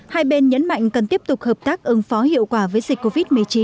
hai bên nhấn mạnh cần tiếp tục hợp tác ứng phó hiệu quả với dịch covid một mươi chín